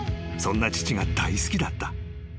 ［そんな父が大好きだった］